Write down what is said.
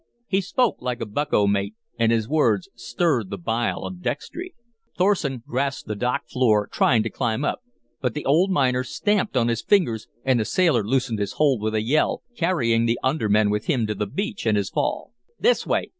He spoke like a bucko mate, and his words stirred the bile of Dextry. Thorsen grasped the dock floor, trying to climb up, but the old miner stamped on his fingers and the sailor loosened his hold with a yell, carrying the under men with him to the beach in his fall. "This way!